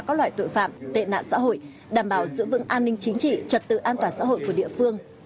các loại tội phạm tệ nạn xã hội đảm bảo giữ vững an ninh chính trị trật tự an toàn xã hội của địa phương